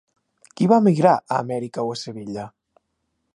Qui va emigrar a Amèrica o a Sevilla?